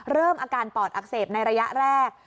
เริ่มอาการปอดอักเสบในระยะแรก